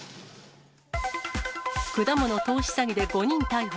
果物投資詐欺で５人逮捕。